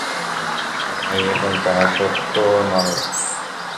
কথাটার কোনো প্রমাণ নাই এবং তাহা সত্যও নহে।